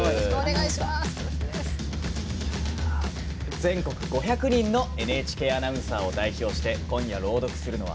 全国５０００人のＮＨＫアナウンサーを代表して今夜、朗読するのは。